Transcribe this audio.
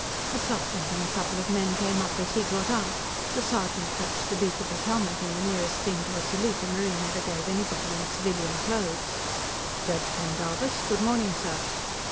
A sergeant and a couple of men came up as he got out; the sergeant touched the beak of his helmet in the nearest thing to a salute a Marine ever gave anybody in civilian clothes. "Judge Pendarvis? Good morning, sir."